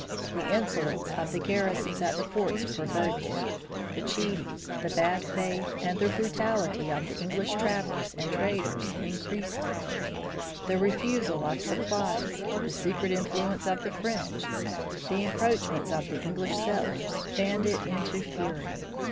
The insolence of the garrisons at the forts provoked it; the cheating, the bad faith, and the brutality of the English trappers and traders increased it; the refusal of supplies, the secret influence of the French, the encroachments of English settlers, fanned it into fury.